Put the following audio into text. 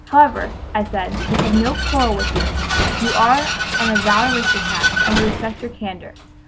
"However," I said, "we have no quarrel with you. You are an avowed aristocrat, and we respect your candor.